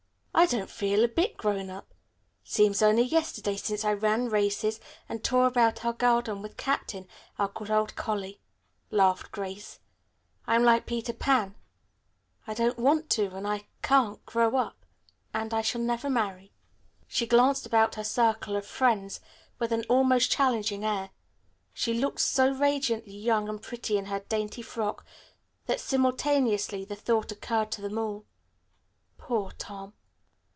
"I don't feel a bit grown up. It seems only yesterday since I ran races and tore about our garden with Captain, our good old collie," laughed Grace. "I'm like Peter Pan. I don't want to, and can't, grow up. And I shall never marry." She glanced about her circle of friends with an almost challenging air. She looked so radiantly young and pretty in her dainty frock that simultaneously the thought occurred to them all, "Poor Tom."